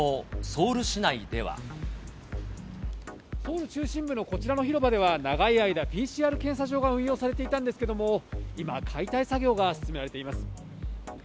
ソウル中心部のこちらの広場では、長い間、ＰＣＲ検査場が運用されていたんですけれども、今、解体作業が進